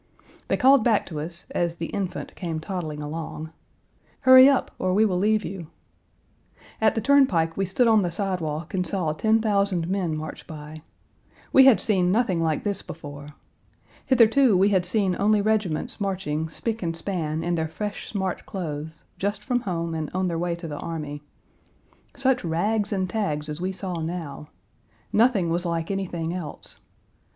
They called back to us, as the Infant came toddling along, "Hurry up or we will leave you." At the turnpike we stood on the sidewalk and saw ten thousand men march by. We had seen nothing like this before. Hitherto we had seen only regiments marching spick and span in their fresh, smart clothes, just from home and on their way to the army. Such rags and tags as we saw now. Nothing was like anything else.